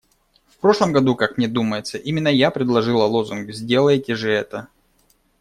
В прошлом году, как мне думается, именно я предложила лозунг: "Сделайте же это".